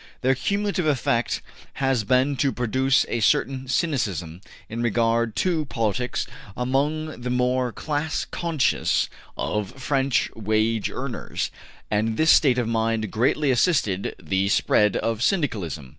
Their cumulative effect has been to produce a certain cynicism in regard to politics among the more class conscious of French wage earners, and this state of mind greatly assisted the spread of Syndicalism.